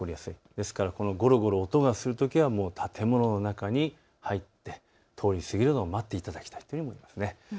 ですからごろごろ音がするときは建物の中に入って通り過ぎるのを待っていただきたいです。